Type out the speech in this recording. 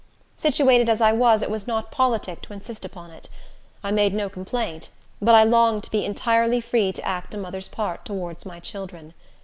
Situated as I was, it was not politic to insist upon it. I made no complaint, but I longed to be entirely free to act a mother's part towards my children.